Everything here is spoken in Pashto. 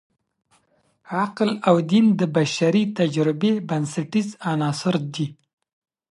عقل او دین د بشري تجربې بنسټیز عناصر دي.